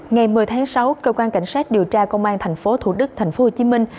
ngày một mươi tháng sáu cơ quan cảnh sát điều tra công an thành phố thủ đức thành phố hồ chí minh